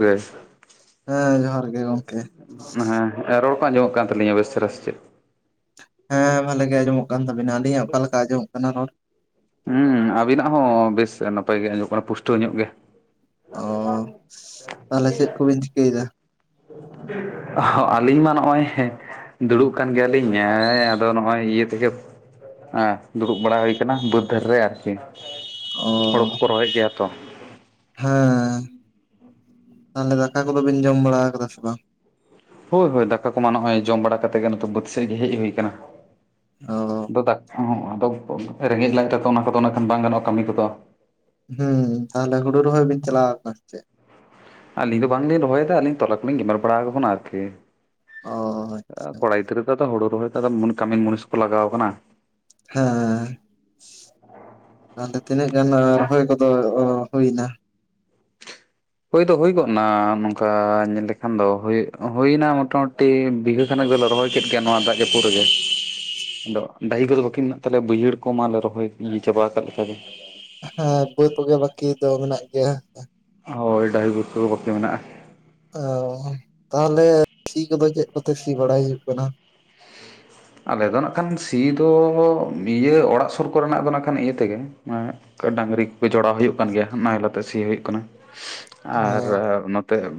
ᱵᱮᱥ᱾ ᱦᱮᱸ ᱡᱚᱦᱟᱨ ᱜᱮ ᱜᱚᱝᱠᱮ ᱦᱮᱸ ᱨᱚᱲ ᱠᱚ ᱟᱸᱡᱚᱢᱚᱜ ᱠᱟᱱ ᱛᱟᱹᱟᱞᱤᱧᱟ ᱵᱮᱥᱪᱮᱷᱮᱨᱟ ᱥᱮ ᱪᱮᱫ ᱦᱮᱸ ᱵᱷᱟᱞᱮ ᱜᱮ ᱟᱸᱡᱚᱢᱚᱜ ᱠᱟᱱ ᱛᱟᱹᱵᱤᱱᱟ ᱟᱹᱞᱤᱧᱟᱜ ᱚᱠᱟ ᱞᱮᱠᱟ ᱟᱸᱡᱚᱢᱚᱜ ᱠᱟᱱᱟ ᱨᱚᱲ ᱦᱮᱸ ᱟᱵᱤᱱᱟᱜ ᱦᱚᱸ ᱵᱮᱥ ᱱᱟᱯᱟᱭ ᱜᱮ ᱟᱡᱚᱢᱚᱜ ᱠᱟᱱᱟ ᱯᱩᱥᱴᱟᱹᱣ ᱧᱚᱜ ᱜᱮ ᱚ ᱛᱟᱦᱚᱞᱮ ᱪᱮᱫ ᱠᱚᱵᱤᱱ ᱪᱤᱠᱟᱹᱭᱫᱟ ᱦᱚ ᱟᱹᱞᱤᱧ ᱢᱟ ᱱᱚᱜᱼᱚᱭ ᱫᱩᱲᱩᱵ ᱠᱟᱱ ᱜᱮᱭᱟᱞᱤᱧ ᱦᱮᱸ ᱟᱫᱚ ᱱᱚᱜᱼᱚᱭ ᱤᱭᱟᱹ ᱛᱮᱜᱮ ᱦᱮᱸ ᱫᱩᱲᱩᱵ ᱵᱟᱲᱟ ᱦᱩᱭ ᱠᱟᱱᱟ ᱵᱟᱹᱫᱽ ᱫᱷᱟᱨᱮ ᱨᱮ ᱟᱨᱠᱤ ᱚ ᱦᱳᱲᱳ ᱠᱚᱠᱚ ᱨᱚᱦᱚᱭᱮᱫ ᱜᱮᱭᱟ ᱛᱚ ᱦᱮᱸ ᱛᱟᱦᱞᱮ ᱫᱟᱠᱟ ᱠᱚᱫᱚ ᱵᱤᱱ ᱡᱚᱢ ᱵᱟᱲᱟ ᱟᱠᱟᱫᱟ ᱥᱮ ᱵᱟᱝ ᱦᱳᱭ ᱦᱳᱭ ᱫᱟᱠᱟ ᱠᱚ ᱢᱟ ᱱᱚᱜᱼᱚᱭ ᱡᱚᱢ ᱵᱟᱲᱟ ᱠᱟᱛᱮᱜ ᱜᱮ ᱵᱟᱹᱫᱽ ᱥᱮᱫ ᱜᱮ ᱦᱮᱡ ᱦᱩᱭ ᱟᱠᱟᱱᱟ ᱚ ᱟᱫᱚ ᱨᱮᱸᱜᱮᱡ ᱞᱟᱡ ᱨᱮᱫᱚ ᱚᱱᱟ ᱠᱚᱫᱚ ᱱᱟᱜᱠᱷᱟᱱ ᱵᱟᱝ ᱜᱟᱱᱚᱜᱼᱟ ᱠᱟᱹᱢᱤ ᱠᱚᱫᱚ ᱦᱩᱸ ᱛᱟᱦᱚᱞᱮ ᱦᱩᱲᱩ ᱨᱚᱦᱚᱭ ᱵᱤᱱ ᱪᱟᱞᱟᱣ ᱟᱠᱟᱱᱟ ᱥᱮ ᱪᱮᱫ ᱟᱹᱞᱤᱧ ᱫᱚ ᱵᱟᱝᱞᱤᱧ ᱨᱚᱦᱚᱭᱮᱫᱟ ᱟᱹᱞᱤᱧ ᱛᱚᱞᱟ ᱠᱚᱞᱤᱧ ᱜᱮᱢᱮᱨ ᱵᱟᱲᱟ ᱟᱠᱚ ᱠᱟᱱᱟ ᱟᱨᱠᱤ ᱚ ᱟᱪᱪᱷᱟ ᱠᱚᱲᱟ ᱜᱤᱫᱽᱨᱟᱹ ᱱᱚᱛᱮ ᱫᱚ ᱦᱩᱬᱩ ᱨᱚᱦᱚᱭ ᱛᱚ ᱠᱟᱹᱢᱤᱱ ᱢᱩᱱᱤᱥ ᱠᱚ ᱞᱟᱜᱟᱣ ᱠᱟᱱᱟ ᱦᱮᱸ ᱚᱱᱛᱮ ᱛᱤᱱᱟ. ᱜ ᱜᱟᱱ ᱨᱚᱦᱚᱭ ᱠᱚᱫᱚ ᱦᱩᱭᱱᱟ ᱦᱳᱭ ᱫᱚ ᱦᱩᱭ ᱜᱚᱫ ᱱᱟ ᱱᱚᱝᱠᱟ ᱧᱮᱞ ᱞᱮᱠᱷᱟᱱ ᱫᱚ ᱦᱩᱭᱱᱟ ᱢᱚᱴᱟ ᱢᱩᱴᱤ ᱵᱤᱜᱷᱟ ᱠᱷᱟᱱᱮᱠ ᱫᱚᱞᱮ ᱨᱚᱦᱚᱭ ᱠᱮᱫ ᱜᱮᱭᱟ ᱱᱚᱣᱟ ᱫᱟᱜ ᱡᱟᱹᱯᱩᱫ ᱨᱮᱜᱮ ᱟᱫᱚ ᱰᱟᱹᱦᱤ ᱠᱚᱫᱚ ᱵᱟᱹᱠᱤ ᱢᱮᱱᱟᱜ ᱛᱟᱞᱮᱭᱟ ᱵᱟᱹᱭᱦᱟᱹᱲ ᱠᱚ ᱢᱟᱞᱮ ᱨᱚᱦᱚᱭ ᱪᱟᱵᱟ ᱟᱠᱟᱫ ᱞᱮᱠᱟᱜᱮ ᱦᱮᱸ ᱵᱟᱹᱫ ᱠᱚᱜᱮ ᱵᱟᱹᱠᱤ ᱫᱚ ᱢᱮᱱᱟᱜ ᱜᱮᱭᱟ ᱦᱳᱭ ᱰᱟᱹᱦᱤ ᱵᱟ. ᱛ ᱠᱚᱫᱚ ᱵᱟ. ᱠᱤ ᱢᱮᱱᱟᱜᱼᱟ ᱚ ᱛᱟᱦᱚᱞᱮ ᱥᱤ ᱠᱚᱫᱚ ᱪᱮᱫ ᱠᱚᱛᱮ ᱥᱤ ᱵᱟᱲᱟᱭ ᱦᱩᱭᱩᱜ ᱠᱟᱱᱟ ᱟᱞᱮ ᱫᱚ ᱱᱟᱜ ᱠᱷᱟᱱ ᱥᱤ ᱫᱚ ᱤᱭᱟᱹ ᱚᱲᱟᱜ ᱥᱩᱨ ᱠᱚᱨᱮᱱᱟᱜ ᱫᱚ ᱱᱟᱜ ᱠᱷᱟᱱ ᱤᱭᱟᱹ ᱛᱮᱜᱮ ᱢᱟᱱᱮ ᱰᱟᱺᱝᱨᱤ ᱠᱚᱠᱚ ᱡᱚᱲᱟᱣ ᱦᱩᱭᱩᱜ ᱠᱟᱱ ᱜᱮᱭᱟ ᱱᱟᱦᱮᱞ ᱛᱮ ᱥᱤ ᱦᱩᱭᱩᱜ ᱠᱟᱱᱟ ᱚ ᱟᱨ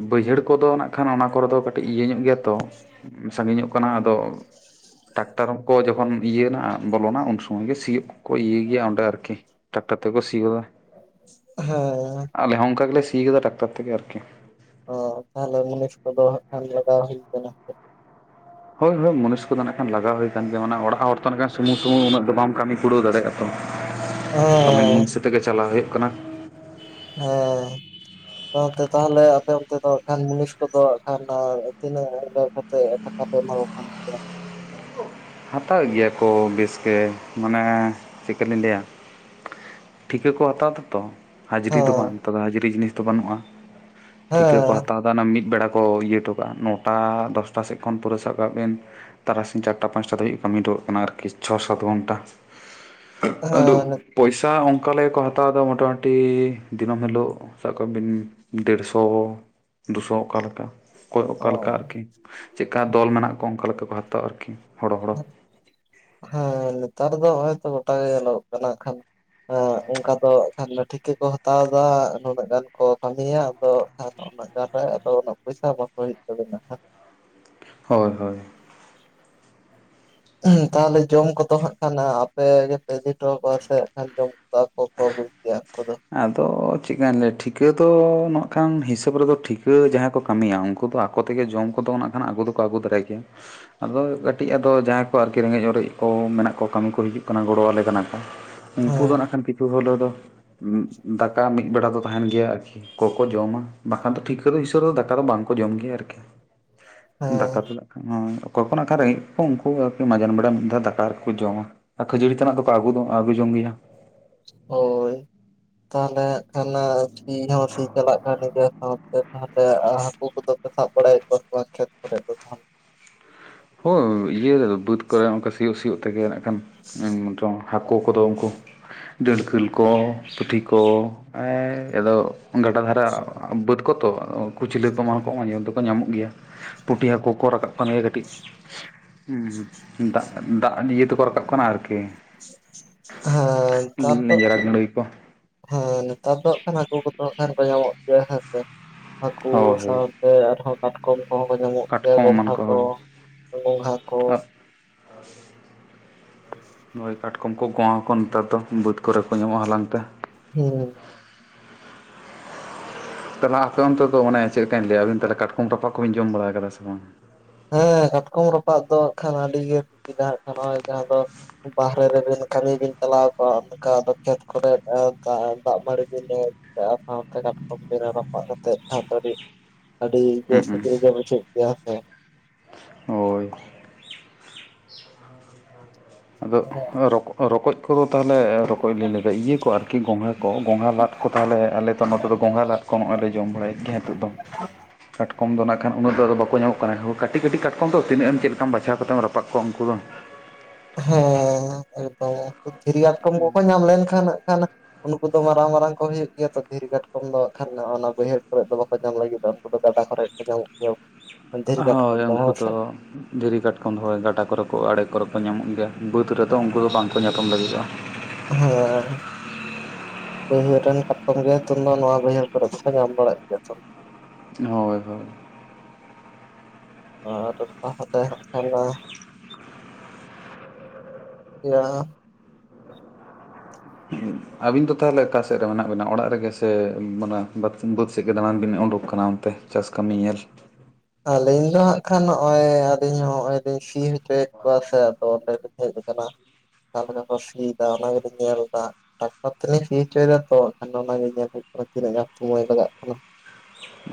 ᱵᱟᱹᱭᱦᱟᱹᱲ ᱠᱚᱫᱚ ᱱᱟᱜ ᱠᱷᱟᱱ ᱚᱱᱟ ᱠᱚᱨᱮ ᱫᱚ ᱠᱟᱹᱴᱤᱡ ᱤᱭᱟᱹ ᱧᱚᱜ ᱜᱮᱭᱟᱛᱚ ᱥᱟᱺᱜᱤᱧᱚᱜ ᱠᱟᱱᱟ ᱴᱟᱠᱴᱟᱨ ᱠᱚ ᱡᱚᱠᱷᱚᱱ ᱤᱭᱟᱹᱮᱱᱟ ᱵᱚᱞᱚᱱᱟ ᱩᱱ ᱥᱚᱢᱚᱭ ᱜᱮ ᱥᱤᱭᱳᱜᱠᱚ ᱤᱭᱟᱹᱭ ᱜᱮᱭᱟ ᱚᱸᱰᱮ ᱟᱨᱠᱤ ᱴᱟᱠᱴᱟᱨ ᱛᱮ ᱠᱚ ᱥᱤᱭᱚᱜ ᱟ ᱦᱮᱸ ᱟᱞᱮ ᱦᱚᱸ ᱚᱱᱠᱟ ᱜᱮᱞᱮ ᱥᱤ ᱠᱟᱫᱟ ᱴᱟᱠᱴᱟᱨ ᱛᱮᱜᱮ ᱟᱨᱠᱤ ᱚ ᱛᱟᱦᱚᱞᱮ ᱢᱩᱱᱤᱥ ᱠᱚᱫᱚ ᱦᱟᱜ ᱠᱷᱟᱱ ᱞᱟᱜᱟᱣ ᱦᱩᱭ ᱠᱟᱱᱟ ᱦᱳᱭ ᱦᱳᱭ ᱢᱩᱱᱤᱥ ᱠᱚ ᱫᱚ ᱱᱟᱜ ᱠᱷᱟᱱ ᱞᱟᱜᱟᱣ ᱦᱩᱭᱠᱟᱱ ᱜᱮᱭᱟ ᱟᱱᱟ ᱚᱲᱟᱜ ᱦᱚᱲ ᱛᱚ ᱱᱟᱜ ᱠᱷᱟᱱ ᱥᱩᱢᱩ ᱥᱩᱢᱩ ᱩᱱᱟᱹᱜ ᱜᱟᱱ ᱵᱟᱢ ᱠᱟᱹᱢᱤ ᱠᱩᱬᱟᱹᱣ ᱫᱟᱲᱮᱭᱟᱜ ᱟ [inaudible] [unintelligible] ᱠᱟᱹᱢᱤᱱ ᱢᱩᱱᱥᱤ ᱟᱛᱮᱜᱮ ᱪᱟᱞᱟᱣ ᱦᱩᱭᱩᱜ ᱠᱟᱱᱟ ᱦᱮᱸ ᱟᱯᱮ ᱚᱱᱛᱮ ᱛᱟᱦᱚᱞᱮ ᱟᱯᱮ ᱚᱱᱛᱮ ᱫᱚ ᱠᱷᱟᱱ ᱢᱩᱱᱤᱥ ᱠᱚᱫᱚ ᱦᱟᱜ ᱠᱷᱟᱱ ᱛᱤᱱᱟᱹᱜ ᱴᱟᱠᱟ ᱯᱮ ᱮᱢᱟ ᱠᱚ ᱠᱷᱟᱱ ᱜᱮ ᱦᱟᱛᱟᱣᱮᱫ ᱜᱮᱭᱟ ᱠᱚ ᱵᱮᱥᱜᱮ ᱢᱟᱱᱮ ᱪᱮᱫ ᱠᱟᱞᱤᱧ ᱞᱟᱹᱭᱟ ᱴᱷᱤᱠᱟᱹ ᱠᱚ ᱦᱟᱛᱟᱣ ᱫᱟᱛᱚ ᱦᱟᱡᱤᱨᱤ ᱫᱚ ᱦᱮᱸ ᱵᱟᱝ ᱛᱚᱵᱮ ᱦᱟᱡᱨᱤ ᱡᱤᱱᱤᱥ ᱫᱚ ᱵᱟᱹᱱᱩᱜᱼᱟ ᱴᱷᱤᱠᱟᱹ ᱠᱚ ᱦᱮᱸ ᱦᱟᱛᱟᱣ ᱚᱝᱠᱟ ᱚᱱᱟ ᱢᱤᱫ ᱵᱮᱲᱟ ᱠᱚ ᱤᱭᱟᱹ ᱦᱚᱴᱚ ᱠᱟᱜᱼᱟ ᱱᱚᱴᱟ ᱫᱚᱥᱴᱟ ᱥᱮᱫ ᱠᱷᱚᱱ ᱯᱩᱨᱟᱹ ᱥᱟᱵ ᱠᱟᱜ ᱵᱮᱱ ᱛᱟᱨᱟᱥᱤᱧ ᱪᱟᱨ ᱴᱟ ᱯᱟᱸᱪᱴᱟ ᱫᱷᱟᱹᱵᱤᱡ ᱠᱟᱹᱢᱤ ᱦᱚᱴᱚᱠᱟᱫ ᱠᱟᱱᱟ ᱟᱨᱠᱤ ᱪᱷᱚ ᱥᱟᱛ ᱜᱷᱚᱱᱴᱟ ᱟᱫᱚ ᱦᱮᱸ ᱯᱚᱭᱥᱟ ᱚᱱᱠᱟ ᱞᱮᱠᱟ ᱠᱚ ᱦᱟᱛᱟᱣ ᱫᱟ ᱢᱚᱴᱟ ᱢᱩᱴᱤ ᱫᱤᱱᱟᱹᱢ ᱦᱤᱞᱳᱜ ᱥᱟᱵ ᱠᱟᱜ ᱵᱤᱱ ᱰᱮᱸᱲᱥᱚ ᱫᱩᱥᱚ ᱚᱱᱠᱟ ᱞᱮᱠᱟ᱾ ᱚᱠᱚᱭ ᱚᱠᱟ ᱚ ᱞᱮᱠᱟ ᱟᱨᱹᱠᱤ ᱪᱮᱫ ᱠᱟ ᱫᱚᱞ ᱢᱮᱱᱟᱜ ᱠᱚᱣᱟ ᱚᱱᱠᱟ ᱞᱮᱠᱟ ᱠᱚ ᱦᱟᱛᱟᱣᱟ ᱟᱹ ᱠᱤ ᱦᱚᱲᱚ ᱦᱚᱲᱚ᱾ ᱦᱮᱸ ᱱᱮᱛᱟᱨ ᱫᱚ ᱦᱚᱸᱜ-ᱚᱭ ᱛᱚ ᱜᱚᱴᱟ ᱜᱮ ᱧᱮᱞᱚ ᱜᱚᱜ ᱠᱟᱱᱟ ᱦᱟᱸᱜ ᱠᱷᱟᱱ ᱮ ᱚᱱᱠᱟ ᱫᱚ ᱦᱟᱸᱜ ᱠᱷᱟᱱ ᱴᱷᱤᱠᱟᱹ ᱠᱚ ᱦᱟᱛᱟᱣ ᱫᱟ ᱱᱩᱱᱟᱹᱜ ᱜᱟᱱ ᱠᱚ ᱠᱟᱹᱢᱤᱭᱟ ᱟᱫᱚ ᱦᱟᱸᱜ ᱩᱱᱟᱹᱜ ᱜᱟᱱ ᱨᱮ ᱟᱫᱚ ᱩᱱᱟᱹᱜ ᱯᱚᱭᱥᱟ ᱮᱢᱟ ᱠᱚ ᱦᱩᱭᱩᱜ ᱛᱟᱹᱵᱤ ᱱᱟ ᱦᱟᱸᱜ᱾ ᱦᱳᱭ ᱦᱳᱭ᱾ ᱛᱟᱦᱚᱸᱞᱮ ᱡᱚᱢ ᱠᱚᱫᱚ ᱦᱟᱸᱜ ᱠᱷᱟᱱ ᱟᱯᱮ ᱜᱮ ᱯᱮ ᱤᱫᱤ ᱦᱚᱴᱚ ᱠᱚᱣᱟ ᱥᱮ ᱦᱟᱸᱜ ᱠᱷᱟᱱ ᱡᱚᱢ ᱠᱚᱫᱚ ᱟᱠᱚ ᱠᱚ ᱵᱩᱡᱷ ᱠᱮᱭᱟ ᱟᱠᱚ ᱫᱚ ᱾ ᱟᱫᱚ ᱪᱮᱫ ᱠᱟᱹᱧ ᱞᱟᱹᱭ-ᱟ ᱴᱷᱤᱠᱟᱹ ᱫᱚ ᱱᱟᱸᱜ ᱠᱷᱟᱱ ᱦᱤᱥᱟᱹᱵ ᱨᱮ ᱫᱚ ᱴᱷᱤᱠᱟᱹ ᱡᱟᱸᱦᱟᱭ ᱠᱚ ᱠᱟᱹᱢᱤᱭᱟ ᱩᱱᱠᱩ ᱫᱚ ᱟᱠᱚ ᱟᱠᱚ ᱛᱮᱜ ᱜᱮ ᱡᱚᱢ ᱠᱚ ᱫᱚ ᱱᱟᱸᱜ ᱠᱷᱟᱱ ᱟᱹᱜᱩ ᱫᱚ ᱠᱚ ᱟᱹᱜᱩ ᱛᱚᱨᱟᱭ ᱜᱮᱭᱟ᱾ ᱟᱫᱚ ᱠᱟᱹᱴᱤᱡ ᱟᱫᱚ ᱡᱟᱸᱦᱟᱭ ᱠᱚ ᱟᱨᱹᱠᱤ ᱨᱮᱸᱜᱮᱡ ᱚᱨᱮᱡ ᱠᱚ ᱢᱮᱱᱟᱜ ᱠᱚ ᱠᱟᱹᱢᱤ ᱠᱚ ᱦᱤᱡᱩᱜ ᱠᱟᱱᱟ ᱜᱚᱲᱚ ᱟᱞᱮ ᱠᱟᱱᱟ ᱠᱚ [inaudible] ᱩᱱ ᱠᱩ ᱫᱚ ᱱᱟᱸᱜ ᱠᱷᱟᱱ ᱠᱤᱪᱷᱩ ᱦᱳᱞᱳ ᱫᱚ ᱫᱟᱠᱟ ᱢᱤᱫ ᱵᱮᱲᱟ ᱫᱚ ᱛᱟᱦᱮᱸᱱ ᱜᱮᱭᱟ ᱟᱨ ᱠᱤ ᱠᱚ ᱠᱚ ᱡᱚᱢᱟ ᱵᱟ ᱠᱷᱟᱱ ᱫᱚ ᱴᱷᱤᱠᱟᱹ ᱫᱚ ᱦᱤᱥᱟᱹᱵ ᱨᱮ ᱫᱚ ᱫᱟᱠᱟ ᱫᱚ ᱵᱟᱝ ᱠᱚ ᱡᱚᱢ ᱜᱮᱭᱟ ᱟᱨᱹᱠᱤ᱾ ᱫᱟᱠᱟ ᱦᱮᱸ ᱫᱚ ᱦᱟᱸᱜ ᱠᱷᱟᱱ ᱱᱚᱣᱟ ᱫᱚ ᱚᱠᱚᱭ ᱠᱚ ᱱᱟᱸᱜ ᱠᱷᱟᱡ ᱨᱮᱸᱜᱮᱡ ᱠᱚᱣᱟ ᱩᱱᱠᱩ ᱟᱹᱨᱠᱤ ᱢᱟᱡᱟᱱ ᱵᱮᱲᱟ ᱢᱤᱫ ᱫᱷᱟᱣ ᱫᱟᱠᱟ ᱠᱚ ᱡᱚᱢᱟ᱾ ᱟᱨ ᱠᱷᱟᱹᱡᱟᱹᱲᱤ ᱛᱟᱱᱟᱜ ᱫᱚ ᱠᱚ ᱟᱹᱜᱩ ᱟᱹᱜᱩ ᱡᱚᱝ ᱜᱮᱭᱟ᱾ ᱦᱳᱭ᱾ ᱛᱟᱦᱚᱸᱞᱮ ᱦᱟᱸᱜ ᱠᱷᱟᱱ ᱥᱤ ᱦᱚᱸ ᱥᱤ ᱪᱟᱞᱟᱜ ᱠᱟᱱ ᱜᱮᱭᱟ ᱥᱟᱶ ᱛᱮ ᱛᱟᱦᱚᱸᱞᱮ ᱟᱨ ᱦᱟᱹᱠᱩ ᱠᱚ ᱫᱚ ᱥᱟᱵᱽ ᱵᱟᱲᱟᱭ ᱮᱫ ᱠᱚᱣᱟ ᱥᱮ ᱵᱟᱝ ᱠᱷᱮᱛ ᱠᱚ ᱨᱮ ᱫᱚ ᱛᱟᱦᱚᱸᱞᱮ? ᱦᱳᱭ ᱤᱭᱟᱹ ᱵᱟᱹᱫᱽ ᱠᱚ ᱨᱮ ᱚᱱᱠᱟ ᱥᱤᱭᱳᱜ ᱥᱤᱭᱳᱜ ᱛᱮ ᱜᱮ ᱱᱟᱸᱜ ᱠᱷᱟᱱ ᱮ [unintelligible] ᱦᱟᱹᱠᱳ ᱠᱚ ᱫᱚ ᱩᱱᱠᱩ ᱰᱟᱹᱲᱠᱟᱹᱞ ᱠᱚ ᱯᱩᱴᱷᱤ ᱠᱚ᱾ ᱮᱻᱟᱫᱚ ᱜᱟᱰᱟ ᱫᱷᱟᱨᱮ ᱵᱟᱹᱫᱽ ᱠᱚ ᱛᱚ ᱠᱩᱸᱪᱞᱟᱹ ᱠᱚᱢᱟ ᱠᱚ ᱧᱮᱞ ᱫᱚ ᱠᱚ ᱧᱟᱢᱚᱜ ᱜᱮᱭᱟ᱾ ᱯᱩᱴᱷᱤ ᱦᱟᱹᱠᱳ ᱠᱚ ᱨᱟᱠᱟᱵ ᱠᱟᱱ ᱜᱮᱭᱟ ᱠᱟᱹᱴᱤᱡ ᱦᱩᱸ ᱦᱩᱸ ᱫᱟᱜ ᱫᱟᱜ ᱤᱭᱟᱹ ᱛᱮ ᱠᱚ ᱨᱟᱠᱟᱵᱽ ᱠᱟᱱᱟ ᱟᱨᱹᱠᱤ ᱦᱮᱸ ᱱᱮᱛᱟᱨ ᱫᱚ ᱞᱮᱸᱡᱽᱨᱟ ᱜᱟᱹᱲᱟᱹᱭ ᱠᱚ᱾ ᱦᱮᱸ ᱱᱮᱛᱟᱨ ᱫᱚ ᱦᱟᱸᱜ ᱠᱷᱟᱱ ᱦᱟᱹᱠᱳ ᱠᱚ ᱫᱚ ᱦᱟᱸᱜ ᱠᱷᱟᱱ ᱠᱚ ᱧᱟᱢᱚᱜ ᱜᱮᱭᱟ ᱦᱮᱸ ᱥᱮ ᱦᱟᱹᱠᱩ ᱦᱳᱭ ᱦᱳᱭ ᱥᱟᱣ ᱛᱮ ᱟᱨ ᱦᱚᱸ ᱠᱟᱴᱠᱚᱢ ᱠᱚ ᱦᱚᱸ ᱧᱟᱢᱚᱜ ᱜᱮᱭᱟ ᱠᱟᱴᱠᱚᱢ ᱮᱢᱟᱱ ᱜᱚᱸᱝᱜᱷᱟ ᱠᱚ ᱦᱳᱭ ᱜᱚᱸᱝᱜᱷᱟ ᱠᱚ᱾ ᱱᱚᱸᱜ-ᱚᱭ ᱠᱟᱴᱠᱚᱢ ᱠᱚ ᱜᱚᱸᱜᱷᱟ ᱠᱚ ᱱᱮᱛᱟᱨ ᱫᱚ ᱵᱟᱹᱫᱽ ᱠᱚ ᱨᱮ ᱠᱚ ᱧᱟᱢᱚᱜ-ᱟ ᱦᱟᱞᱟᱝ ᱛᱮ᱾ ᱦᱮᱸ᱾ ᱛᱟᱦᱚᱸᱞᱮ ᱦᱟᱸᱜ ᱟᱯᱮ ᱚᱱᱛᱮ ᱫᱚ ᱚᱱᱮ ᱪᱮᱫ ᱞᱮᱠᱟ ᱞᱟᱹᱭ-ᱟ ᱟᱹᱵᱤᱱ ᱛᱟᱦᱚᱸᱞᱮ ᱠᱟᱴᱠᱚᱢ ᱨᱟᱯᱟᱜ ᱠᱚ ᱵᱤᱱ ᱡᱚᱢ ᱵᱟᱲᱟ ᱠᱟᱫᱟ ᱥᱮ ᱵᱟᱝ? ᱦᱮᱸ ᱠᱟᱴᱠᱚᱢ ᱨᱟᱯᱟᱜ ᱫᱚ ᱦᱟᱸᱜ ᱠᱷᱟᱱ ᱟᱹᱰᱤ ᱜᱮ ᱥᱤᱵᱤᱞᱟ᱾ ᱦᱟᱸᱜ ᱠᱷᱟᱱ ᱱᱚᱸᱜ-ᱚᱭ ᱡᱟᱸᱦᱟ ᱫᱚ ᱵᱟᱦᱨᱮ ᱨᱮ ᱵᱤᱱ ᱠᱟᱹᱢᱤ ᱵᱤᱱ ᱪᱟᱞᱟᱣ ᱠᱚᱜ-ᱟ ᱚᱱᱠᱟ ᱫᱚ ᱠᱷᱮᱛ ᱠᱚ ᱨᱮᱫ ᱫᱟᱜ ᱫᱟᱜ ᱢᱟᱹᱲᱤ ᱠᱚᱫᱚ ᱟᱨ ᱥᱟᱣ ᱛᱮ ᱠᱟᱴᱠᱚᱢ ᱵᱤᱱ ᱨᱟᱯᱟᱜ ᱠᱟᱛᱮᱜ ᱦᱟᱸᱜ ᱠᱟᱹᱴᱤᱡ ᱟᱹᱰᱤ ᱵᱮᱥ ᱦᱩᱸ ᱥᱤᱵᱤᱞ ᱜᱮ ᱵᱩᱡᱷᱟᱹᱜ ᱜᱮᱭᱟ ᱦᱮᱸ᱾ ᱦᱳᱭ᱾ ᱟᱫᱚ ᱨᱚᱠ ᱨᱚᱠᱚᱡ ᱠᱚ ᱫᱚ ᱛᱟᱦᱚᱸᱞᱮ ᱨᱚᱠᱚᱡ ᱞᱤᱧ ᱞᱟᱹᱭ ᱫᱟ ᱤᱭᱟᱹ ᱠᱚ ᱟᱨ ᱠᱤ ᱜᱚᱸᱝᱜᱷᱟ ᱠᱚ ᱜᱚᱸᱝᱜᱷᱟ ᱞᱟᱫ ᱠᱚ ᱛᱟᱦᱚᱸᱞᱮ ᱟᱞᱮ ᱫᱚ ᱱᱚᱛᱮ ᱫᱚ ᱜᱚᱸᱝᱜᱷᱟ ᱞᱟᱫ ᱠᱚ ᱦᱚᱸᱜ-ᱚᱭ ᱞᱮ ᱡᱚᱢ ᱵᱟᱲᱟᱭ ᱮᱫ ᱜᱮᱭᱟ ᱦᱤᱛᱳᱜ ᱫᱚ᱾ ᱠᱟᱴᱠᱚᱢ ᱫᱚ ᱱᱟᱸᱜ ᱠᱷᱟᱱ ᱩᱱᱟᱹᱜ ᱫᱚ ᱟᱫᱚ ᱵᱟᱠᱚ ᱧᱟᱢ ᱚᱜ ᱠᱟᱱᱟ᱾ ᱠᱟᱹᱴᱤᱡ ᱠᱟᱹᱴᱤᱡ ᱠᱟᱴᱠᱚᱢ ᱫᱚ ᱛᱤᱱᱟᱹᱜ ᱮᱢ ᱪᱮᱫ ᱞᱮᱠᱟᱢ ᱵᱟᱪᱷᱟᱣ ᱠᱟᱛᱮᱜ ᱮᱢ ᱨᱟᱯᱟᱜ ᱠᱚᱣᱟ ᱩᱱᱠᱩ ᱫᱚ᱾ ᱦᱮᱸ ᱮᱠᱫᱚᱢ ᱮᱠᱫᱚᱢ ᱫᱷᱤᱨᱤ ᱠᱟᱴᱠᱚᱢ ᱠᱚ ᱠᱚ ᱧᱟᱢ ᱞᱮᱱ ᱠᱷᱟᱱ ᱦᱟᱸᱜ ᱠᱷᱟᱱ ᱩᱱᱠᱩ ᱫᱚ ᱢᱟᱨᱟᱝ ᱢᱟᱨᱟᱝ ᱠᱚ ᱦᱳᱭᱳᱜ ᱜᱮᱭᱟ ᱛᱚ ᱫᱷᱤᱨ ᱠᱟᱴᱠᱚᱢ ᱫᱚ ᱦᱟᱸᱜ ᱠᱷᱟᱱ ᱚᱱᱟ ᱵᱟᱹᱭᱦᱟᱹᱲ ᱠᱚᱨᱮ ᱫᱚ ᱵᱟᱠᱚ ᱧᱟᱢ ᱞᱟᱹᱜᱤᱫ-ᱟ, ᱩᱱᱠᱩ ᱫᱚ ᱜᱟᱰᱟ ᱠᱚᱨᱮ ᱧᱟᱢᱚᱜ ᱜᱮᱭᱟ᱾ ᱫᱷᱤᱨᱤ ᱠᱟᱴᱠᱚᱢ ᱦᱳᱭ ᱩᱱᱠᱩ ᱦᱮᱸ ᱫᱚ ᱥᱮ ᱫᱷᱤᱨᱤ ᱠᱟᱴᱠᱚᱢ ᱫᱚ ᱦᱳᱭ ᱜᱟᱰᱟ ᱠᱚ ᱨᱮ ᱠᱚ ᱟᱲᱮ ᱠᱚ ᱨᱮ ᱠᱚ ᱧᱟᱢᱚᱜ ᱜᱮᱭᱟ, ᱵᱟᱹᱫᱽ ᱨᱮ ᱫᱚ ᱩᱱᱠᱩ ᱫᱚ ᱵᱟᱝ ᱠᱚ ᱧᱟᱯᱟᱢ ᱞᱟᱹᱜᱤ ᱫᱚᱜ-ᱟ᱾ ᱦᱮᱸᱻ᱾ ᱵᱟᱹᱭᱦᱟᱹᱲ ᱨᱮᱱ ᱠᱟᱴᱠᱚᱢ ᱜᱮ ᱱᱤᱛᱳᱝ ᱫᱚ ᱱᱚᱣᱟ ᱵᱟᱹᱭᱦᱟᱹᱲ ᱠᱚ ᱨᱮᱫ ᱫᱚ ᱠᱚ ᱧᱟᱢ ᱵᱟᱲᱟᱜ ᱜᱮᱭᱟ ᱛᱷᱚ ᱦᱚᱭ ᱦᱚᱭ ᱾ ᱟᱨ ᱯᱟ-ᱦᱟᱛᱮ ᱦᱟᱸᱜ ᱠᱷᱟᱱ ᱢᱟ ᱮᱲᱟᱦ ᱾ ᱪ-ᱩᱸ-ᱭ ᱟᱵᱤᱱ ᱫᱚ ᱛᱟᱦᱞᱮ ᱚᱠᱟ ᱥᱮᱜ ᱨᱮ ᱢᱮᱱᱟᱜ ᱵᱤᱱᱟ ᱚᱲᱟᱜ ᱨᱮ ᱜᱮ ᱥᱮ ᱢᱟᱱᱮ ᱵᱟᱛ ᱵᱟᱹᱫᱽ ᱥᱮᱜ ᱜᱮ ᱫᱟᱲᱟᱱ ᱵᱤᱱ ᱳᱸᱰᱳᱠ ᱠᱟᱱᱟ ᱚᱱ ᱛᱮᱦ ᱪᱟᱥ ᱠᱟᱹᱢᱤ ᱧᱮᱞ ᱾ ᱟᱹᱞᱤᱧ ᱫᱚ ᱦᱟᱸᱜ ᱠᱷᱟᱱ ᱦᱚᱜ-ᱚᱭ ᱟᱞᱤᱧ ᱦᱚᱸᱱᱚᱜ-ᱚᱭ ᱞᱤᱧ ᱥᱤ ᱦᱚᱪᱚᱭᱮᱫ ᱠᱚᱣᱟ ᱥᱮ ᱟᱫᱚ ᱚᱸᱰᱮ ᱞᱤᱧ ᱦᱮᱡ ᱟᱠᱟᱱᱟ ᱾ ᱠᱟᱞᱮᱠᱟ ᱠᱚ ᱥᱤᱭ ᱫᱟ ᱚᱱᱟ ᱜᱮᱞᱤᱧ ᱧᱮᱞᱫᱟ ᱾ ᱴᱟᱠᱴᱚᱨ ᱛᱮ ᱞᱤᱧ ᱥᱤ ᱦᱚᱪᱚᱭ ᱫᱟ ᱛᱚ ᱟᱫᱚ ᱠᱷᱟᱱ ᱫᱚ ᱚᱱᱟ ᱜᱮ ᱞᱮᱧ ᱦᱳᱭᱯᱜ ᱠᱟᱱᱟ ᱛᱤᱱᱟᱹᱜ ᱜᱟᱱ ᱥᱚᱢᱚᱭ ᱞᱟᱜᱟᱜ ᱠᱟᱱᱟ ᱾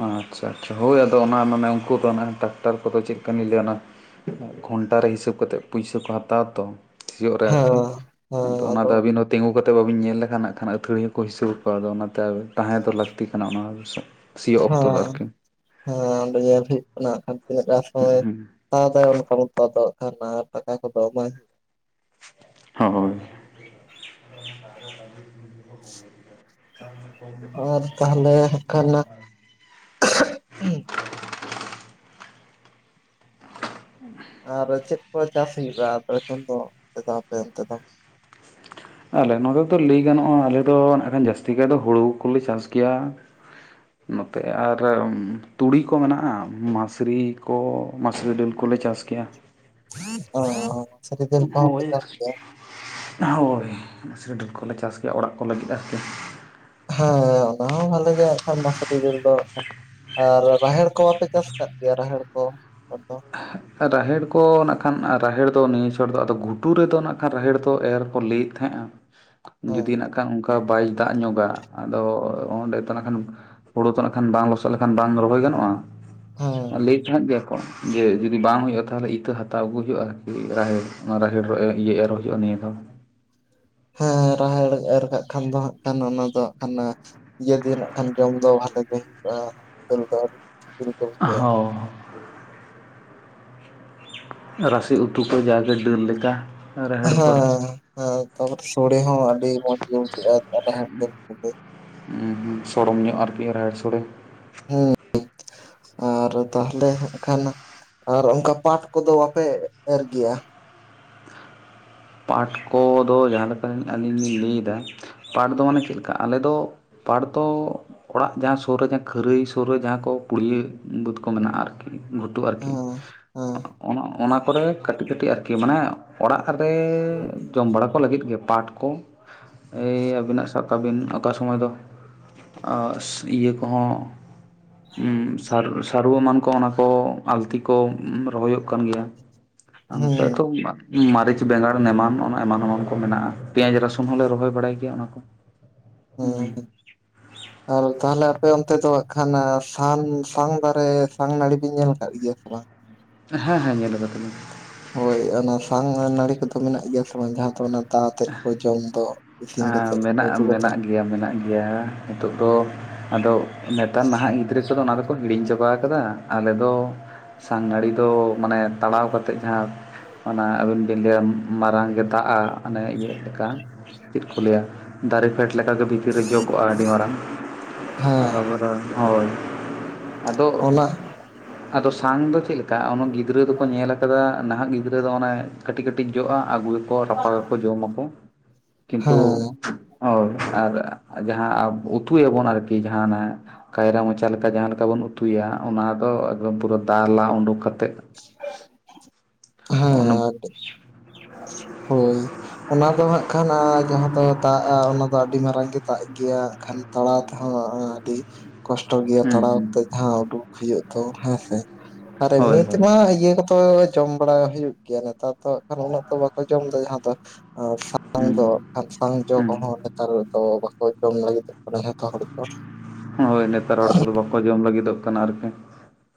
ᱟᱪ-ᱪᱷᱟ ᱟᱪ-ᱪᱷᱟ ᱦᱳᱭ ᱟᱫᱚ ᱚᱱᱟ ᱢᱟᱱᱮ ᱩᱝᱠᱩ ᱫᱚ ᱚᱱᱟ ᱴᱟᱠᱴᱟᱨ ᱠᱚ ᱫᱚ ᱪᱮᱜ ᱠᱟᱹᱢᱤ ᱞᱟᱹᱭᱟ ᱚᱱᱟ ᱜᱷᱚᱱᱴᱟ ᱨᱮ ᱦᱤᱥᱟᱹᱵᱽ ᱠᱟᱛᱮᱜ ᱯᱩᱭᱥᱟᱹ ᱠᱚ ᱦᱟᱛᱟᱣᱟ ᱛᱚ ᱾ ᱥᱤᱭᱳᱜ ᱨᱮ ᱦᱮᱸ ᱟᱨᱠᱤ, ᱟᱫᱚ ᱚᱱᱟ ᱫᱚ ᱟᱵᱤᱱ ᱦᱚᱸ ᱛᱤᱸᱜᱩ ᱠᱟᱛᱮᱜ ᱵᱟᱵᱤᱱ ᱧᱮᱞ ᱞᱮᱠᱷᱟᱱ ᱦᱟᱸᱜ ᱠᱷᱟᱱ ᱟᱹᱛᱷᱟᱲᱤᱭᱟᱹ ᱦᱚᱸ ᱠᱚ ᱦᱤᱥᱟᱹᱵᱟ ᱠᱚ ᱟᱫᱚ ᱚᱱᱟ ᱛᱮ ᱟᱵᱮᱱ ᱛᱟᱦᱮᱸ ᱫᱚ ᱞᱟᱠᱛᱤ ᱠᱟᱱᱟ ᱚᱱᱟ ᱦᱤᱥᱟᱹᱵᱽ ᱾ ᱦᱟᱸᱦ, ᱟᱸ ᱚᱸᱰᱮ ᱧᱮᱞ ᱦᱩᱭᱩᱜ ᱠᱟᱱᱟ ᱦᱟᱸᱜ ᱠᱷᱟᱱ ᱛᱤᱱᱟᱹᱜ ᱜᱟᱱ ᱥᱳᱢᱳᱭᱮ ᱛᱟᱣ ᱫᱟᱭ ᱚᱱᱠᱟ ᱢᱚᱛᱚ ᱟᱫᱚ ᱠᱷᱟᱱ ᱱᱟ ᱴᱟᱠᱟ ᱠᱚ ᱫᱚ ᱵᱟᱝ ᱥᱚᱦ-ᱦᱚᱡᱽ ᱪᱩᱡ-ᱪᱤᱭᱳᱜ-ᱪᱤᱭᱳᱜ-ᱪᱤᱭᱳᱜ ᱾ ᱥᱩᱡ ᱾ ᱦᱮᱛᱟᱝ-ᱛᱚᱵᱮ-ᱦᱮᱛᱟᱝ-ᱰᱩᱵᱩᱝ-ᱫᱷᱟᱝ ᱾ ᱷᱟᱸᱦᱜ-ᱩᱸᱦ ᱾ ᱲ-ᱲᱟᱦᱜ ᱾ ᱟᱨ ᱪᱮᱫ ᱠᱚ ᱪᱟᱥ ᱦᱩᱭᱩᱜ-ᱟ ᱟᱫᱚ ᱱᱤᱛᱚᱝ ᱫᱚ ᱟᱯᱮ ᱚᱱᱛᱮ ᱫᱚ? ᱟᱞᱮ ᱱᱚᱸᱰᱮ ᱫᱚ ᱞᱟᱹᱭ ᱜᱟᱱᱚᱜ-ᱟ ᱟᱞᱮ ᱫᱚ ᱱᱟᱜ ᱠᱷᱟᱱ ᱡᱟᱥᱛᱤ ᱠᱟᱭ ᱫᱚ ᱦᱳᱲᱳ ᱠᱚᱞᱮ ᱪᱟᱥ ᱜᱮᱭᱟ ᱾ ᱱᱚᱛᱮ ᱟᱨ ᱛᱩᱲᱤ ᱠᱚ ᱢᱮᱱᱟᱜ-ᱟ ᱢᱟᱥᱨᱤ ᱠᱚ ᱾ ᱢᱟᱥᱨᱤ ᱰᱟᱹᱠ ᱠᱚᱞᱮ ᱪᱟᱥ ᱜᱮᱭᱟ᱾ ᱚᱸ ᱟᱪᱷᱟ ᱪᱮᱫ ᱞᱮᱠᱟ ᱵᱷᱟᱵᱽ ᱯᱮ ᱪᱟᱥ ᱠᱮᱭᱟ? ᱟᱜᱦᱳᱭ, ᱢᱟᱥᱨᱤ ᱰᱟᱹᱞ ᱠᱚ ᱞᱮ ᱪᱟᱥ ᱜᱮᱭᱟ ᱚᱲᱟᱜ ᱠᱚ ᱞᱟᱹᱜᱤᱫ ᱟᱨᱠᱤ᱾ ᱜᱦᱳᱭ ᱚᱱᱟ ᱦᱚᱸ ᱵᱷᱟᱞᱮᱹᱜᱮ ᱮᱠᱷᱮᱱ [unintelligible] ᱺ ᱠᱷᱤᱡᱩᱨ ᱫᱚ, ᱨᱟᱦᱮᱲ ᱠᱚ ᱵᱟ ᱯᱮ ᱪᱟᱥ ᱠᱟᱫ ᱜᱮᱭᱟ ᱨᱟᱦᱮᱲ ᱠᱚ ᱠᱚᱫᱚ? ᱨᱟᱦᱮᱲ ᱠᱚ ᱱᱟᱜ ᱠᱷᱟᱱ ᱨᱟᱦᱮᱲ ᱫᱚ ᱱᱤᱭᱟᱹ ᱪᱷᱚᱴ ᱫᱚ ᱟᱫᱚ ᱜᱷᱩᱴᱩ ᱨᱮ ᱫᱚ ᱱᱟᱜ ᱠᱷᱟᱱ ᱨᱟᱦᱮᱲ ᱛᱚ ᱮᱨ ᱠᱚ ᱞᱮᱭᱮᱜ ᱛᱮᱦᱮᱸᱜ-ᱟ ᱦᱮᱸ ᱡᱩᱫᱤ ᱱᱟᱜ ᱠᱷᱟᱱ ᱚᱝᱠᱟ ᱵᱟᱭ ᱫᱟᱜ ᱧᱚᱸᱜᱟ ᱟᱫᱚ ᱚᱸᱰᱮ ᱛᱚ ᱱᱟᱠᱷᱟᱱ ᱦᱳᱲᱳ ᱛᱚ ᱱᱟᱠᱷᱟᱱ ᱵᱟᱝ ᱞᱚᱥᱚᱜ ᱞᱮᱠᱷᱟᱱ ᱵᱟᱝ ᱨᱚᱦᱚᱭ ᱜᱟᱱᱚᱜ-ᱟ ᱦᱮᱸ ᱞᱟᱹᱭ ᱮᱫ ᱛᱟᱦᱮᱸᱜ ᱜᱮ ᱠᱚ᱾ ᱡᱮ ᱡᱩᱫᱤ ᱵᱟᱝ ᱦᱩᱭᱩᱜ-ᱟ ᱛᱟᱦᱚᱞᱮ ᱤᱛᱟᱹ ᱦᱟᱛᱟᱣ ᱟᱹᱜᱩᱭ ᱦᱳᱭᱳᱜ-ᱟ ᱨᱟᱦᱮᱲ ᱚᱱᱟ ᱨᱟᱦᱮᱲ ᱮᱨ ᱤᱭᱟᱹ ᱮᱨ ᱦᱩᱭᱩᱜ-ᱟ ᱱᱤᱭᱟᱹ ᱫᱷᱟᱣ ᱾ ᱦᱮᱸ, ᱨᱟᱦᱮᱲ ᱮᱨ ᱠᱟᱜ ᱠᱷᱟᱱ ᱫᱚ ᱦᱟᱸᱜ ᱠᱷᱟᱱ ᱚᱱᱟ ᱫᱚ ᱦᱟᱸᱜ ᱠᱷᱟᱱ ᱤᱭᱟᱹ ᱫᱤᱱ ᱱᱟᱜ ᱠᱷᱟᱱ ᱡᱚᱢ ᱫᱚ ᱵᱷᱟᱞᱮᱹ ᱜᱮ ᱦᱩᱭᱩᱜ ᱟ ᱪᱮᱞᱠᱟ ᱥᱤᱛᱩᱝ ᱾ ᱜᱦᱳ ᱾ ᱨᱟᱥᱮᱹᱩᱛᱩ ᱠᱚ ᱡᱟ ᱜᱮ ᱰᱟᱹᱞ ᱞᱮᱠᱟ᱾ ᱨᱟᱦᱮᱲ ᱯᱚᱨ ᱷᱮᱸᱦᱮᱸ, ᱛᱟᱯᱚᱨᱮ ᱥᱳᱲᱮᱹᱦᱚᱸ ᱟᱰᱤ ᱢᱚᱸᱡᱽ ᱜᱮ ᱵᱩᱡᱷᱟᱹᱜ-ᱟ ᱨᱟᱦᱮᱲ ᱫᱟᱹᱞ ᱥᱚᱝᱜᱮ ᱾ ᱩᱸᱦ ᱦᱩᱸ, ᱥᱚᱲᱚᱢ ᱧᱚᱸᱜ ᱟᱨᱠᱤ ᱨᱟᱦᱮᱹᱲ ᱥᱳᱲᱮᱹ ᱾ ᱢᱩᱸ-ᱰᱚᱜ ᱟᱨ ᱛᱟᱦᱞᱮ ᱦᱟᱸᱜ ᱠᱷᱟᱱ ᱟᱨ ᱚᱝᱠᱟ ᱯᱟᱴ ᱠᱚ ᱫᱚ ᱵᱟ ᱯᱮ ᱮᱜ-ᱮᱨ ᱜᱮᱭᱟ? ᱯᱟᱴ ᱠᱚ ᱫᱚ ᱡᱟᱦᱟᱸ ᱞᱮᱠᱟ ᱟᱞᱤᱧ ᱞᱤᱧ ᱞᱟᱹᱭᱮ ᱫᱟ ᱯᱟᱴ ᱫᱚ ᱢᱟᱱᱮ ᱪᱮᱜ ᱞᱮᱠᱟ ᱟᱞᱮ ᱫᱚ ᱯᱟᱴ ᱫᱚ ᱚᱲᱟᱜ ᱡᱟᱦᱟᱸ ᱥᱳᱨ ᱨᱮ ᱡᱟᱦᱟᱸ ᱠᱷᱟᱹᱨᱟᱹᱭ ᱥᱳᱨ ᱨᱮ ᱡᱟᱦᱟᱸ ᱠᱚ ᱯᱩᱲᱭᱟᱹ ᱵᱟᱹᱫᱽ ᱠᱚ ᱢᱮᱱᱟᱜ-ᱟ ᱟᱨᱠᱤ ᱾ ᱜᱷᱩᱴᱩ ᱟᱨᱠᱤ ᱦᱮᱸ ᱦᱮᱸ ᱚᱱᱟ ᱚᱱᱟ ᱠᱚ ᱨᱮ ᱠᱟᱹᱴᱤᱡ ᱠᱟᱹᱴᱤᱡ ᱟᱨᱠᱤ ᱢᱟᱱᱮ ᱚᱲᱟᱜ ᱨᱮᱻ ᱡᱚᱢ ᱵᱟᱲᱟ ᱠᱚ ᱞᱟᱹᱜᱤᱫ ᱜᱮ ᱯᱟᱴ ᱠᱚ᱾ ᱮᱭ ᱟᱵᱤ ᱱᱟᱜ ᱥᱟᱵ ᱠᱟᱜ ᱵᱤᱱ ᱚᱠᱟ ᱥᱚᱢᱚᱭ ᱫᱚ ᱟᱸᱜᱥ ᱤᱭᱟᱹ ᱠᱚᱸ ᱦᱚᱸ ᱩᱸᱻ ᱥᱟᱨᱩ ᱥᱟᱨᱩ ᱮᱢᱟᱱ ᱠᱚ ᱚᱱᱟ ᱠᱚ ᱟᱞᱛᱤ ᱠᱚ ᱨᱚᱦᱚᱭᱚᱜ ᱠᱟᱱ ᱜᱮᱭᱟ᱾ ᱟᱨ ᱱᱚᱛᱮ ᱛᱚ ᱦᱮᱸ ᱢᱟ ᱢᱟᱨᱮ ᱪᱟ ᱵᱮᱸᱜᱟᱲ ᱱᱮᱢᱟᱱ ᱚᱱᱟ ᱮᱢᱟᱱ ᱮᱢᱟᱱ ᱠᱚ ᱢᱮᱱᱟᱜ-ᱟ ᱯᱮᱸᱭᱟᱡᱽ ᱨᱟᱥᱩᱱ ᱦᱚᱸ ᱞᱮ ᱨᱚᱦᱚᱭ ᱵᱟᱲᱟᱭ ᱜᱮᱭᱟ ᱚᱱᱟ ᱠᱚ᱾ ᱦᱩᱸ᱾ [inaudible] ᱟᱨ ᱛᱟᱞᱮ ᱟᱯᱮ ᱚᱱᱛᱮ ᱫᱚ ᱦᱟᱸᱜ ᱠᱷᱟᱱ ᱥᱟᱱ ᱥᱟᱝ ᱫᱟᱨᱮ ᱥᱟᱝ ᱱᱟᱹᱲᱤ ᱵᱤᱱ ᱧᱮᱞ ᱠᱟᱫ ᱜᱮᱭᱟ ᱥᱮ ᱵᱟᱝ? ᱦᱮᱸ ᱦᱮᱸ ᱧᱮᱞ ᱠᱟᱫᱟᱞᱤᱧ᱾ ᱦᱳᱭ ᱚᱱᱟ ᱥᱟᱝ ᱱᱟᱹᱲᱤ ᱠᱚᱫᱚ ᱢᱮᱱᱟᱜ ᱜᱮᱭᱟ ᱥᱮ ᱵᱟᱝ? ᱡᱟᱸᱦᱟ ᱫᱚ ᱚᱱᱟ ᱛᱟ ᱟᱛᱮᱫ ᱠᱚ ᱡᱚᱢ ᱫᱚ ᱤᱥᱤᱱ ᱮᱸ ᱠᱟᱛᱮᱫ ᱢᱮᱱᱟᱜ ᱩᱛᱩ ᱠᱟᱛᱮᱫ᱾ ᱢᱮᱱᱟᱜ ᱜᱮᱭᱟ ᱢᱮᱱᱟᱜ ᱜᱮ ᱾ ᱜᱮᱭᱟ ᱦᱤᱛᱚᱜ ᱫᱚ ᱟᱫᱚ ᱱᱮᱛᱟᱨ ᱱᱟᱦᱟᱜ ᱜᱤᱫᱽᱨᱟᱹ ᱠᱚᱫᱚ ᱚᱱᱟ ᱫᱚᱠᱚ ᱦᱤᱲᱤᱧ ᱪᱟᱵᱟ ᱠᱟᱫᱟ᱾ ᱟᱞᱮ ᱫᱚ ᱥᱟᱝ ᱱᱟᱲᱤ ᱫᱚ ᱢᱟᱱᱮ ᱛᱟᱲᱟᱣ ᱠᱟᱛᱮᱫ ᱡᱟᱸᱦᱟ ᱚᱱᱟ ᱟᱹᱵᱤᱱ ᱵᱤᱱ ᱞᱟᱹᱭᱟ ᱢᱟᱨᱟᱝ ᱜᱮ ᱫᱟᱜᱼᱟ ᱟᱱᱮ ᱤᱭᱟᱹᱜ ᱞᱮᱠᱟ ᱪᱮᱫ ᱠᱚ ᱞᱟᱹᱭᱟ ᱫᱟᱨᱮ ᱯᱷᱮᱰ ᱞᱮᱠᱟ ᱜᱮ ᱵᱷᱤᱛᱤᱨ ᱨᱮ ᱡᱚ ᱠᱚᱜᱼᱟ ᱟᱹᱰᱤ ᱢᱟᱨᱟᱝ ᱦᱮᱸ ᱟᱫᱚ ᱦᱳᱭ ᱟᱫᱚ ᱚᱱᱟ ᱟᱫᱚ ᱥᱟᱝ ᱫᱚ ᱪᱮᱫ ᱞᱮᱠᱟ ᱚᱱᱟ ᱜᱤᱫᱽᱨᱟᱹ ᱫᱚᱠᱚ ᱧᱮᱞ ᱠᱟᱫᱟ ᱱᱟᱦᱟᱜ ᱜᱤᱫᱽᱨᱟᱹ ᱫᱚ ᱚᱱᱮ ᱠᱟᱹᱴᱤᱡ ᱠᱟᱹᱴᱤᱡ ᱡᱚᱜᱼᱟ᱾ ᱟᱹᱜᱩᱭᱟ ᱠᱚ ᱡᱚᱢᱟ ᱠᱚ ᱠᱤᱱᱛᱩ, ᱦᱮᱸ ᱦᱳᱭ ᱟᱨ ᱡᱟᱸᱦᱟ ᱩᱛᱩ ᱭᱟᱵᱚᱱ ᱟᱨᱠᱤ ᱡᱟᱸᱦᱟ ᱚᱱᱮ ᱠᱟᱭᱨᱟ ᱢᱚᱪᱟ ᱞᱮᱠᱟ ᱡᱟᱸᱦᱟ ᱞᱮᱠᱟ ᱵᱚᱱ ᱩᱛᱩᱭᱟ᱾ ᱚᱱᱟ ᱫᱚ ᱮᱠᱫᱚᱢ ᱯᱩᱨᱟᱹ ᱫᱟ ᱞᱟ ᱩᱰᱩᱠ ᱠᱟᱛᱮᱫ, ᱚᱱᱟ ᱦᱮᱸ ᱦᱳᱭ ᱚᱱᱟ ᱫᱚ ᱦᱟᱸᱜ, ᱠᱷᱟᱱᱟ ᱡᱟᱸᱦᱟ ᱫᱚ ᱫᱟᱜᱼᱟ ᱚᱱᱟ ᱫᱚ ᱟᱹᱰᱤ ᱢᱟᱨᱟᱝ ᱜᱮ ᱫᱟᱜ ᱜᱮᱭᱟ᱾ ᱠᱷᱟᱹᱞᱤ ᱛᱟᱲᱟᱣ ᱛᱮᱦᱚᱸ ᱟᱹᱰᱤ ᱠᱚᱥᱴᱚ ᱜᱮᱭᱟ ᱦᱩᱸ ᱛᱟᱲᱟᱣ ᱦᱩᱸ ᱛᱮ᱾ ᱡᱟᱦᱟ ᱩᱰᱩᱠ ᱦᱩᱭᱩᱜ ᱛᱚ ᱦᱮᱸᱥᱮ ᱟᱨ ᱦᱳᱭ ᱮᱢᱱᱤ ᱦᱳᱭ ᱛᱮᱢᱟ ᱤᱭᱟᱹ ᱠᱚ ᱫᱚ ᱡᱚᱢ ᱵᱟᱲᱟ ᱦᱩᱭᱩᱜ ᱜᱮᱭᱟ, ᱱᱮᱛᱟᱨ ᱫᱚ ᱦᱟᱜ ᱠᱷᱟᱱ ᱩᱱᱟᱹᱜ ᱫᱚ ᱵᱟᱠᱚ ᱡᱚᱢ ᱫᱟ ᱡᱟᱸᱦᱟ ᱫᱚ, ᱦᱩᱸ [unintelligible] ᱫᱚ ᱥᱟᱝ ᱡᱚ ᱦᱩᱸ ᱠᱚᱦᱚᱸ ᱱᱮᱛᱟᱨ ᱫᱚ ᱵᱟᱠᱚ ᱡᱚᱢ ᱞᱟᱹᱜᱤᱫᱚᱜ ᱠᱟᱱᱟ ᱡᱷᱚᱛᱚ ᱦᱚᱲ ᱫᱚ᱾ ᱦᱳᱭ ᱱᱮᱛᱟᱨ ᱦᱚᱲ ᱠᱚᱫᱚ ᱵᱟᱠᱚ ᱡᱚᱢ ᱞᱟᱹᱜᱤᱫᱚᱜ ᱠᱟᱱᱟ ᱟᱨᱠᱤ᱾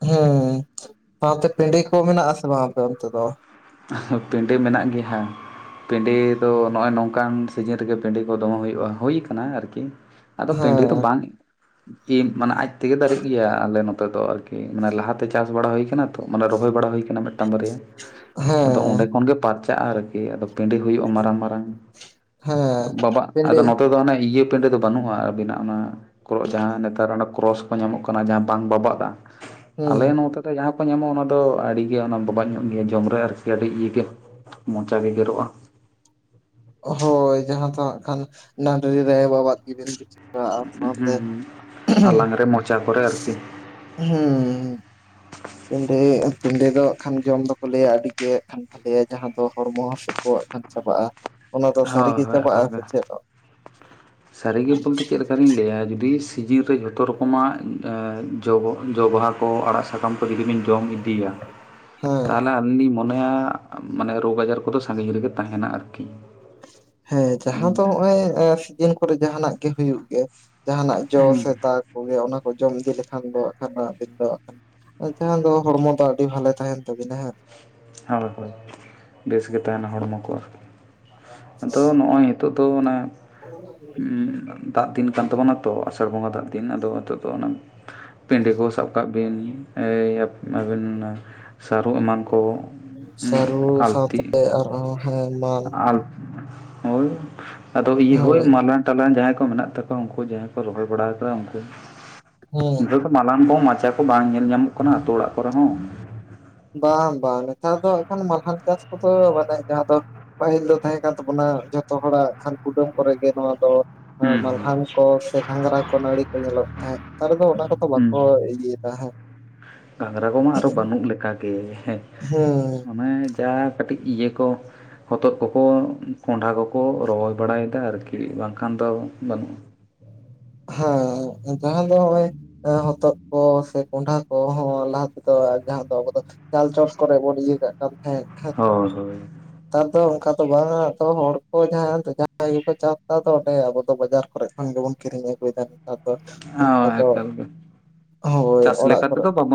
ᱦᱮᱸ ᱥᱟᱶᱛᱮ ᱯᱮᱸᱰᱮ ᱠᱚ ᱢᱮᱱᱟᱜ-ᱟ ᱥᱮ ᱵᱟᱝ ᱟᱯᱮ ᱚᱱᱛᱮ ᱫᱚ? ᱯᱮᱸᱰᱮ ᱢᱮᱱᱟᱜ ᱜᱮᱭᱟ᱾ ᱯᱮᱸᱰᱮ ᱫᱚ ᱱᱚᱜᱼᱚᱭ ᱱᱚᱝᱠᱟᱱ ᱥᱤᱡᱤᱱ ᱨᱮᱜᱮ ᱯᱮᱸᱰᱮ ᱠᱚ ᱫᱚ ᱦᱩᱭᱩᱜᱼᱟ, ᱦᱩᱭ ᱠᱟᱱᱟ ᱟᱨᱠᱤ᱾ ᱟᱫᱚ ᱯᱮᱸᱰᱮ ᱫᱚ ᱦᱮᱸ ᱵᱟᱝ ᱠᱤ ᱢᱟᱱᱮ ᱟᱡ ᱛᱮᱜᱮ ᱫᱟᱨᱮᱜ ᱜᱮᱭᱟ, ᱟᱞᱮ ᱱᱚᱛᱮ ᱫᱚ ᱟᱨᱠᱤ ᱢᱟᱱᱮ ᱞᱟᱦᱟᱛᱮ ᱪᱟᱥ ᱵᱟᱲᱟ ᱦᱩᱭ ᱠᱟᱱᱟ ᱛᱚ ᱢᱟᱱᱮ ᱨᱚᱦᱚᱭ ᱵᱟᱲᱟ ᱦᱩᱭ ᱠᱟᱱᱟ ᱢᱤᱫᱴᱮᱱ ᱢᱤᱫᱴᱟᱝ ᱵᱟᱨᱭᱟ ᱟᱫᱚ ᱦᱮᱸ ᱚᱸᱰᱮ ᱠᱷᱚᱱ ᱜᱮ ᱯᱟᱨᱪᱟᱜᱼᱟ ᱟᱨᱠᱤ ᱟᱫᱚ ᱯᱮᱸᱰᱮ ᱦᱩᱭᱩᱜᱼᱟ ᱢᱟᱨᱟᱝ ᱢᱟᱨᱟᱝ, ᱦᱮᱸ ᱵᱟᱵᱟ ᱯᱮᱸᱰᱮ ᱟᱫᱚ ᱱᱚᱛᱮ ᱫᱚ ᱚᱱᱮ ᱤᱭᱟᱹ ᱯᱮᱸᱰᱮ ᱫᱚ ᱵᱟᱹᱱᱩᱜᱼᱟ᱾ ᱟᱹᱵᱤᱱᱟᱜ ᱚᱱᱟ ᱠᱚ ᱡᱟᱸᱦᱟ ᱱᱮᱛᱟᱨ ᱚᱱᱟ ᱠᱨᱚᱥ ᱠᱚ ᱧᱟᱢᱚᱜ ᱠᱟᱱᱟ, ᱡᱟᱸᱦᱟ ᱵᱟᱝ ᱵᱟᱵᱟᱛᱟ ᱟᱞᱮ ᱦᱩᱸ ᱱᱚᱛᱮ ᱫᱚ ᱡᱟᱸᱦᱟ ᱠᱚ ᱧᱟᱢᱚᱜᱼᱟ ᱚᱱᱟ ᱫᱚ ᱟᱹᱰᱤ ᱜᱮ ᱚᱱᱟ ᱵᱟᱵᱟᱜ ᱧᱚᱜ ᱜᱮᱭᱟ ᱡᱚᱢ ᱨᱮ ᱟᱨᱠᱤ᱾ ᱟᱰᱤ ᱤᱭᱟᱹ ᱜᱮᱭᱟ ᱢᱚᱪᱟ ᱜᱮ ᱜᱮᱨᱚᱜᱼᱟ᱾ ᱚ-ᱦᱚ ᱡᱟᱸᱦᱟ ᱫᱚ ᱦᱟᱜ ᱠᱷᱟᱱ ᱱᱟᱹᱰᱨᱤ ᱨᱮ ᱵᱟᱵᱟᱜ ᱜᱮᱵᱮᱱ ᱵᱩᱪᱟ᱾ ᱦᱮᱸ ᱦᱮᱸ ᱟᱞᱟᱝ ᱨᱮ ᱢᱚᱪᱟ ᱠᱚᱨᱮ ᱟᱨᱠᱤ᱾ ᱦᱩᱸ᱾ ᱯᱮᱸᱰᱮ ᱯᱮᱸᱰᱮ ᱫᱚ ᱦᱟᱜ ᱠᱷᱟᱱ ᱡᱚᱢ ᱫᱚ ᱠᱚ ᱞᱟᱹᱭ-ᱟ ᱟᱹᱰᱤ ᱜᱮ ᱦᱟᱜ ᱠᱷᱟᱱ ᱡᱟᱦᱟᱸ ᱫᱚ ᱦᱚᱲᱢᱚ ᱦᱟᱥᱳ ᱠᱚ ᱦᱟᱜ ᱠᱷᱟᱱ ᱪᱟᱵᱟᱜᱼᱟ᱾ ᱚᱱᱟ ᱫᱚ ᱥᱟᱹᱨᱤ ᱦᱳᱭ ᱜᱮ ᱦᱳᱭ ᱮᱠᱟᱞ ᱪᱟᱵᱟᱜᱼᱟ ᱜᱮ ᱥᱮ ᱪᱮᱫ? ᱞᱤᱧ ᱞᱟᱹᱭᱟ ᱡᱩᱫᱤ ᱥᱤᱡᱤᱱ ᱨᱮ ᱡᱷᱚᱛᱚ ᱨᱚᱠᱚᱢᱟᱜ ᱡᱚ ᱵᱟᱦᱟ ᱠᱚ ᱟᱲᱟᱜ ᱥᱟᱠᱟᱢ ᱠᱚ, ᱡᱩᱫᱤ ᱵᱮᱱ ᱡᱚᱢ ᱤᱫᱤᱭᱟ, ᱦᱮᱸ ᱛᱟᱦᱚᱞᱮ ᱟᱹᱞᱤᱧ ᱞᱤᱧ ᱢᱚᱱᱮᱭᱟ ᱢᱟᱱᱮ ᱨᱳᱜᱽ ᱟᱡᱟᱨ ᱠᱚ ᱫᱚ ᱥᱟᱺᱜᱤᱧ ᱨᱮᱜᱮ ᱛᱟᱦᱮᱱᱟ ᱟᱨᱠᱤ᱾ ᱦᱮᱸ ᱡᱟᱦᱟᱸ ᱫᱚ ᱦᱚᱜᱼᱚᱭ ᱥᱤᱡᱤᱱ ᱠᱚᱨᱮ ᱡᱟᱦᱟᱱᱟᱜ ᱜᱮ ᱦᱩᱭᱩᱜ ᱜᱮ ᱡᱟᱦᱟᱱᱟᱜ ᱡᱚ ᱥᱮ ᱦᱩᱸ ᱫᱟ ᱠᱚᱜᱮ ᱚᱱᱟᱠᱚ ᱡᱚᱢ ᱤᱫᱤ ᱞᱮᱠᱷᱟᱱ ᱫᱚ ᱦᱟᱜ ᱠᱷᱟᱱ ᱫᱚ [unintelligible] ᱫᱚ ᱦᱚᱲᱢᱚ ᱫᱚ ᱟᱹᱰᱤ ᱵᱷᱟᱞᱮ ᱛᱟᱦᱮᱱ ᱛᱟᱵᱤᱱᱟ ᱦᱮᱸ᱾ ᱦᱳᱭ ᱦᱳᱭ ᱵᱮᱥᱜᱮ ᱛᱟᱦᱮᱱᱟ ᱦᱚᱲᱢᱚ ᱠᱚ, ᱟᱨᱠᱤ ᱟᱫᱚ ᱱᱚᱜᱼᱚᱭ ᱱᱤᱛᱚᱜ ᱫᱚ ᱚᱱᱟ [inaudible] ᱫᱟᱜ ᱫᱤᱱ ᱠᱟᱱ ᱛᱟᱵᱚᱱᱟ ᱛᱚ ᱟᱥᱟᱲ ᱵᱚᱸᱜᱟ ᱫᱟᱜ ᱫᱤᱱ ᱟᱫᱚ ᱦᱤᱛᱚᱜ ᱫᱚ ᱚᱱᱟ ᱯᱤᱸᱰᱮ ᱠᱚ ᱥᱟᱵ ᱠᱟᱜ ᱵᱤᱱ ᱟᱹᱵᱤᱱ ᱚᱱᱟ ᱥᱟᱹᱨᱩ ᱮᱢᱟᱱ ᱠᱚ, ᱥᱟᱹᱨᱩ ᱥᱟᱶᱛᱮ ᱟᱨᱦᱚᱸ ᱦᱮᱸ ᱟᱨ ᱦᱳᱭ ᱟᱫᱚ ᱤᱭᱟᱹ ᱦᱳᱭ [unintelligible] ᱛᱟᱞᱟᱱ ᱡᱟᱦᱟᱸᱭ ᱠᱚ ᱢᱮᱱᱟᱜ ᱛᱟᱠᱚᱣᱟ ᱩᱱᱠᱩ ᱡᱟᱦᱟᱸᱭ ᱠᱚ ᱨᱚᱦᱚᱲ ᱵᱟᱲᱟ ᱟᱠᱟᱫᱟ ᱩᱱᱠᱩ᱾ ᱦᱮᱸ ᱢᱟᱞᱦᱟᱱ ᱠᱚ ᱢᱟᱪᱟ ᱠᱚ ᱵᱟᱝ ᱧᱮᱞ ᱧᱟᱢᱚᱜ ᱠᱟᱱᱟ ᱟᱛᱳ ᱚᱲᱟᱜ ᱠᱚᱨᱮ ᱦᱚᱸ᱾ ᱵᱟᱝ ᱵᱟᱝ ᱱᱮᱛᱟᱨ ᱫᱚ ᱦᱟᱠᱷᱟᱱ ᱢᱟᱞᱦᱟᱱ ᱪᱟᱥ ᱠᱚᱫᱚ ᱵᱟᱰᱟᱭ ᱡᱟᱦᱟᱸ ᱫᱚ ᱯᱟᱹᱦᱤᱞ ᱫᱚ ᱛᱟᱦᱮᱸ ᱠᱟᱱ ᱛᱟᱵᱚᱱᱟ ᱡᱚᱛᱚ ᱦᱚᱲᱟᱜ ᱠᱷᱟᱱ ᱠᱩᱰᱟᱹᱢ ᱠᱚᱨᱮᱜ ᱜᱮ ᱱᱚᱣᱟ ᱫᱚ ᱦᱩᱸ ᱦᱩᱸ ᱢᱟᱞᱦᱟᱱ ᱠᱚ, ᱥᱮ ᱜᱷᱟᱸᱜᱽᱨᱟ ᱠᱚ ᱱᱟᱹᱲᱤ ᱠᱚ ᱧᱮᱞᱚᱜ ᱛᱟᱦᱮᱸᱫ ᱱᱮᱛᱟᱨ ᱫᱚ ᱚᱱᱟ ᱠᱚᱫᱚ ᱵᱟᱠᱚ ᱤᱭᱟᱹ ᱛᱟᱸᱦᱮᱫ ᱜᱷᱟᱝᱽᱨᱟ ᱠᱚᱢᱟ ᱟᱫᱚ ᱵᱟᱹᱱᱩᱜ ᱞᱮᱠᱟᱜᱮ ᱦᱮᱸ᱾ ᱦᱮᱸ᱾ ᱚᱱᱮ ᱡᱟ ᱠᱟᱹᱴᱤᱡ ᱤᱭᱟᱹ ᱠᱚ ᱦᱚᱛᱚᱫ ᱠᱚᱠᱚ ᱠᱚᱸᱰᱷᱟ ᱠᱚᱠᱚ ᱨᱚᱦᱚᱭ ᱵᱟᱲᱟᱭᱮᱫᱟ ᱟᱨᱠᱤ ᱵᱟᱝᱠᱷᱟᱱ ᱫᱚ ᱵᱟᱹᱱᱩᱜᱼᱟ᱾ ᱦᱮᱸ ᱡᱟᱦᱟᱸ ᱫᱚ ᱦᱚᱸᱜᱼᱚᱭ ᱦᱚᱛᱚᱫ ᱠᱚ ᱥᱮ ᱠᱚᱸᱰᱷᱟ ᱠᱚᱦᱚᱸ ᱞᱟᱦᱟ ᱛᱮᱫᱚ ᱡᱟᱦᱟᱸ ᱫᱚ ᱟᱵᱚ ᱫᱚ ᱪᱟᱞ ᱪᱚᱴ ᱠᱚᱨᱮ ᱵᱚᱱ ᱤᱭᱟ. ᱠᱟᱜ ᱠᱟᱱ ᱛᱟᱦᱮᱸ ᱦᱮᱸ ᱥᱮ? ᱦᱳᱭ ᱦᱳᱭ ᱱᱮᱛᱟᱨ ᱫᱚ ᱚᱱᱠᱟ ᱫᱚ ᱵᱟᱝᱟ ᱦᱚᱲ ᱠᱚ ᱡᱟᱦᱟᱸ ᱡᱟᱦᱟᱸᱭ ᱜᱮᱠᱚ ᱪᱟᱥ ᱫᱟ ᱚᱱᱮ ᱟᱵᱚ ᱫᱚ ᱵᱟᱡᱟᱨ ᱠᱚᱨᱮ ᱠᱷᱚᱱ ᱜᱮᱵᱚᱱ ᱠᱤᱨᱤᱧ ᱟᱹᱜᱩᱭ ᱫᱟ ᱱᱮᱛᱟᱨ ᱫᱚ ᱚᱱᱠᱟ ᱦᱳᱭ, ᱫᱚ ᱮᱠᱟᱞ ᱜᱮ ᱦᱳᱭ ᱪᱟᱥ ᱚᱲᱟᱜ ᱞᱮᱠᱟ ᱠᱚᱨᱮ ᱛᱮᱫᱚ ᱵᱟᱵᱚᱱ